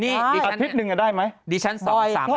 นี่อาทิตย์หนึ่งอะได้ไหมดีชั้นสอง๓อาทิตย์